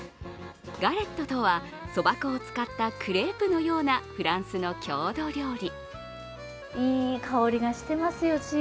ガレットとはそば粉を使ったクレープのようなフランスの郷土料理。